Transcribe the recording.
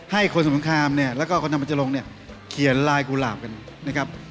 ให้คนสมุงครามเนี่ยแล้วก็คนธรรมจรงเนี่ยเขียนลายกุหลาบกันนะครับ